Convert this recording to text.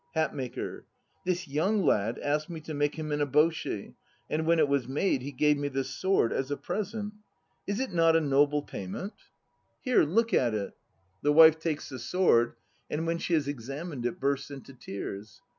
HATMAKER. This young lad asked me to make him an eboshi, and when it was he gave me this sword as a present. Is it not a noble payment? 74 THE NO PLAYS OF JAPAN Here, look at it. (The wife takes the sword and when she has examined it bursts into tears.)